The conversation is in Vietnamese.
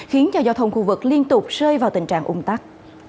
khiến cho giao thông khu vực liên tục rơi vào tình trạng ung tắc